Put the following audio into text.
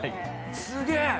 すげえ！